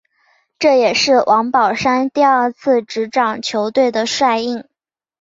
这也是王宝山第二次执掌球队的帅印。